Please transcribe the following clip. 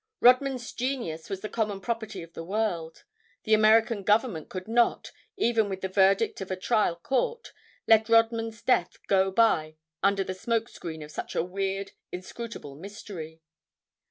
Rodman's genius was the common property of the world. The American Government could not, even with the verdict of a trial court, let Rodman's death go by under the smoke screen of such a weird, inscrutable mystery.